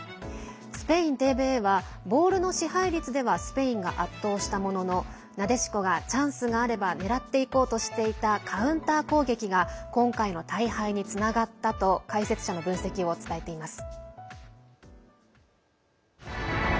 スペインＴＶＥはボールの支配率ではスペインが圧倒したもののなでしこがチャンスがあれば狙っていこうとしていたカウンター攻撃が今回の大敗につながったと解説者の分析を伝えています。